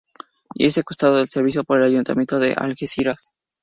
Y secuestrado el servicio por el Ayuntamiento de Algeciras.